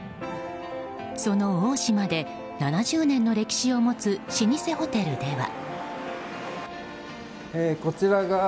その大島で７０年の歴史を持つ老舗ホテルでは。